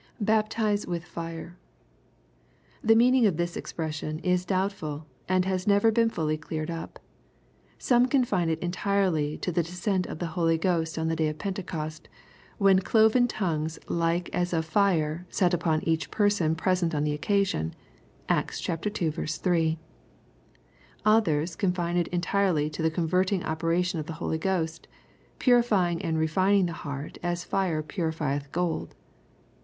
[Baptize wilh fire.] The meaning of this expression is doubt ful, and has never been fully cleared up. Some confine it entirely to the descent of the Holy G host on the day of Pentecost, when " cloven tongues like as of fire" sat upon each person present on the occasion. (Acts ii. 3.) Others confine it entirely to the con verting operation of the Holy Ghost, purifying and refining the heart as fire purifieth gold.